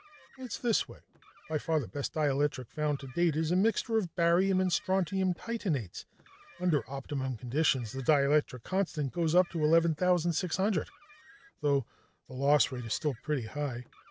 "It's this way. By far the best dielectric found to date is a mixture of barium and strontium titanates. Under optimum conditions, the dielectric constant goes up to 11,600, though the loss rate is still pretty high.